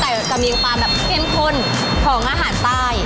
แต่จะมีความแบบเข้มข้นของอาหารใต้